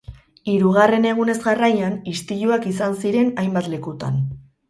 Hirugarren egunez jarraian, istiluak izan ziren hainbat lekutan.